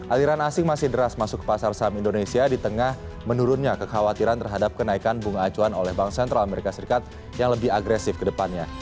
aliran asing masih deras masuk ke pasar saham indonesia di tengah menurunnya kekhawatiran terhadap kenaikan bunga acuan oleh bank sentral amerika serikat yang lebih agresif ke depannya